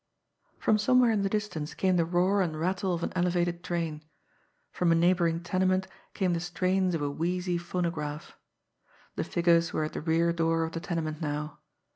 From somewhere in the distance came the roar and rattle of an elevated train; from a neighbouring tenement came the strains of a wheezy phonograph. The figures were at the rear door of the tenement now.